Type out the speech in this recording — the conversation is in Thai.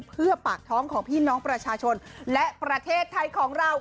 เพื่อปากท้องของพี่น้องประชาชนและประเทศไทยของเรา